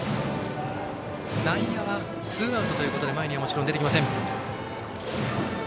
内野はツーアウトということで前には出てきません。